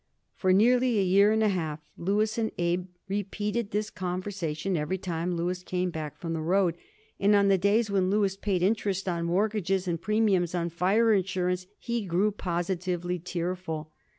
For nearly a year and a half Louis and Abe repeated this conversation every time Louis came back from the road, and on the days when Louis paid interest on mortgages and premiums on fire insurance he grew positively tearful.